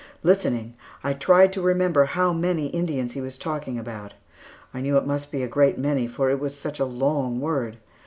Listening, I tried to remember how many Indians he was talking about. I knew it must be a great many, for it was such a long word.